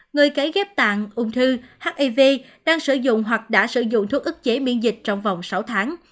người cấy ghép tạng ung thư hiv đang sử dụng hoặc đã sử dụng thuốc ức chế miễn dịch trong vòng sáu tháng